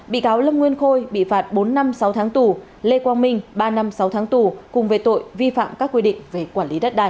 bị cáo lâm nguyên khôi bị phạt bốn năm sáu tháng tù lê quang minh ba năm sáu tháng tù cùng về tội vi phạm các quy định về quản lý đất đai